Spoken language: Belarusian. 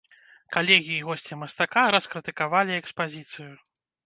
Калегі і госці мастака раскрытыкавалі экспазіцыю.